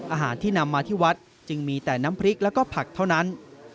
อาหารที่นำมาที่วัดจึงมีแต่น้ำพริกแล้วก็ผักเท่านั้น